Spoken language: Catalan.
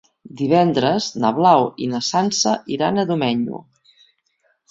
Divendres na Blau i na Sança iran a Domenyo.